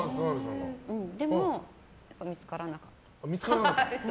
でも、やっぱ見つからなかった。